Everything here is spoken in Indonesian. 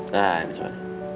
nah ini coba